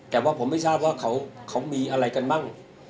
แต่ว่าผมไม่ทราบว่าเขามีอะไรกันบ้าง